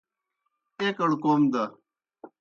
ایْکڑ کوْم دہ